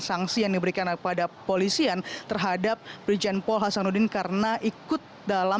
sanksi yang diberikan kepada polisian terhadap brigjen paul hasanuddin karena ikut dalam